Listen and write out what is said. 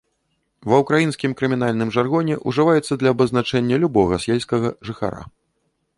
Ва ўкраінскім крымінальным жаргоне ўжываецца для абазначэння любога сельскага жыхара.